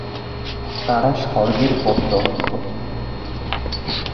তারা স্বর্গের পথরক্ষক।